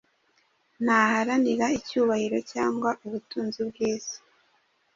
Ntaharanira icyubahiro cyangwa ubutunzi by’isi;